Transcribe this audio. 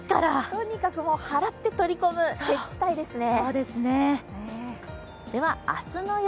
とにかく払って取り込むに徹したいですね。